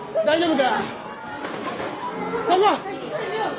大丈夫か？